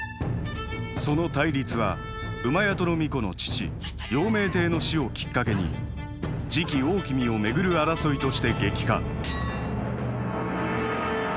その対立は戸皇子の父用明帝の死をきっかけに次期大王を巡る争いとして激化。